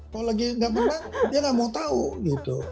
kalau lagi gak menang dia gak mau tau gitu